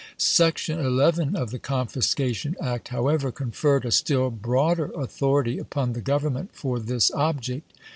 Section 11 of the Confiscation Act, however, conferred a still broader authority upon the Gov ernment for this object.